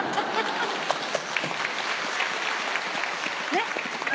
ねっ？